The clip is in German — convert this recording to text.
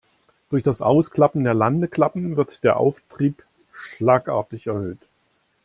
Durch das Ausklappen der Landeklappen wird der Auftrieb schlagartig erhöht.